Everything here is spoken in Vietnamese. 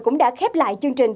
cũng đã khép lại chương trình